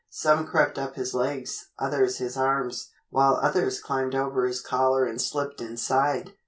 Some crept up his legs, others his arms, while others climbed over his collar and slipped inside.